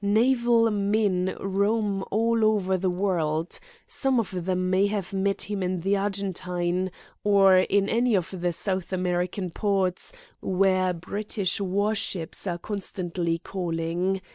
Naval men roam all over the world. Some of them may have met him in the Argentine, or in any of the South American ports where British warships are constantly calling.